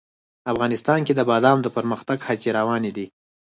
افغانستان کې د بادام د پرمختګ هڅې روانې دي.